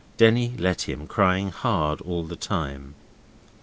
Denny let him, crying hard all the time.